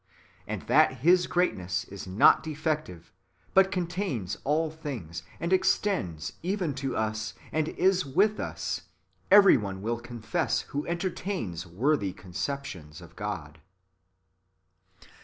And that His greatness is not defective, but contains all things, and extends even to us, and is with us, every one will confess who entertains worthy conceptions of God.